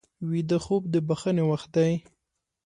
ویده خوب د بښنې وخت دی